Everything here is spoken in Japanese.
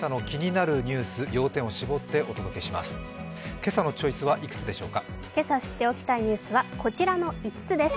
今朝知っておきたいニュースはこちらの５つです。